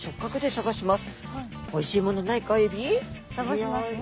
探しますね。